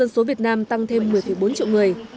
số việt nam tăng thêm một mươi bốn triệu người